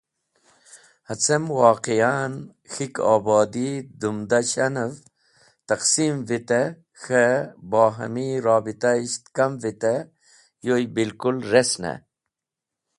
Hacem Waqiahen k̃hik Obodi dumda S̃hanev taqsim vitey k̃he bohami rawabitisht kam vitey yoy bilkul resney.